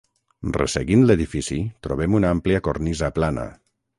Resseguint l'edifici trobem una àmplia cornisa plana.